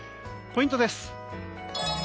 ポイントです。